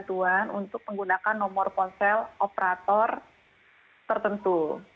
kami menggunakan skena bantuan untuk menggunakan nomor ponsel operator tertentu